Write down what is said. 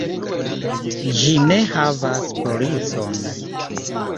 Ĝi ne havas policon.